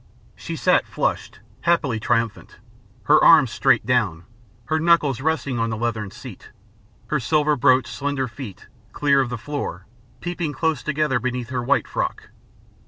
She sat, flushed, happy, triumphant, her arms straight down, her knuckles resting on the leathern seat, her silver brocaded, slender feet, clear of the floor, peeping close together beneath her white frock.